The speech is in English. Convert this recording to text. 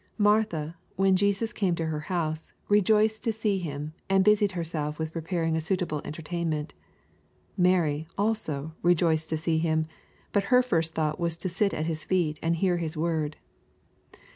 Martha, when Jesus came to her house, rejoiced to see Him, and busied herself with preparing a suitable entertainment. Mary, also, rejoiced to see Him, but her first thought was to sit at His feet and hear His word.